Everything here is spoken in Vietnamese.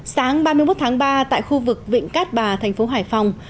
sáng ba mươi một tháng ba tại khu vực vịnh cát bà thành phố hải phòng